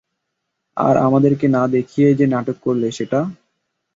আর আমাদেরকে না দেখিয়েই যে নাটক করলে, সেটা?